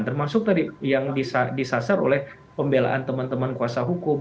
termasuk tadi yang disasar oleh pembelaan teman teman kuasa hukum